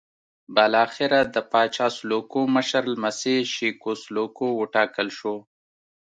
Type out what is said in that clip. بالاخره د پاچا سلوکو مشر لمسی شېکو سلوکو وټاکل شو.